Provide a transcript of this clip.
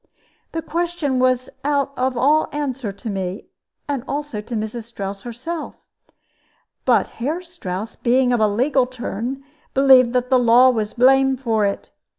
This question was out of all answer to me, and also to Mrs. Strouss herself; but Herr Strouss, being of a legal turn, believed that the law was to blame for it.